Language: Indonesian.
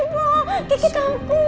bu kek takut